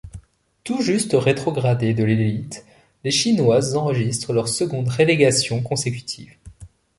Tout juste rétrogradées de l'élite, les chinoises enregistrent leur seconde relégation consécutive.